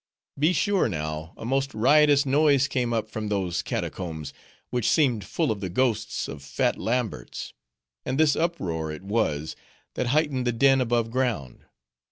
Be sure, now, a most riotous noise came up from those catacombs, which seemed full of the ghosts of fat Lamberts; and this uproar it was, that heightened the din above ground.